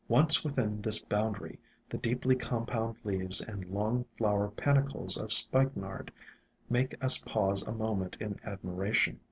Once within this boundary, the deeply compound leaves and long flower panicles of Spikenard make us pause a moment in admiration.